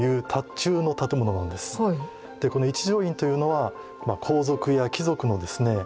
一乗院というのは皇族や貴族のですね